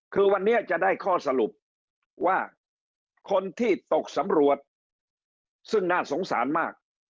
คือวันนี้จะได้ข้อสรุปว่าคนที่ตกสำรวจซึ่งน่าสงสารมาก